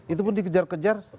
itu pun dikejar kejar